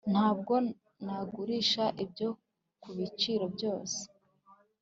Ntabwo nagurisha ibyo kubiciro byose